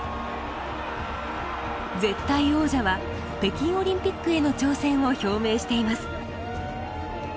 絶対王者は北京オリンピックへの挑戦を表明しています。